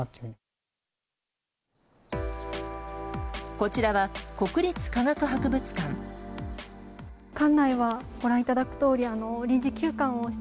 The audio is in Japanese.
こちらは国立科学博物館。